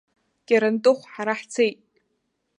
Кьарантыхә, ҳара ҳцеит!